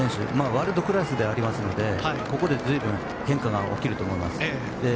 ワールドクラスでありますのでここで随分変化が起きると思います。